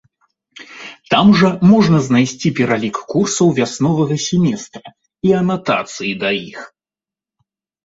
Там жа можна знайсці пералік курсаў вясновага семестра і анатацыі да іх.